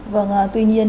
vâng tuy nhiên